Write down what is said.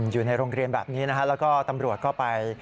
อยู่ในโรงเรียนแบบนี้นะฮะแล้วก็ตำรวจก็ไป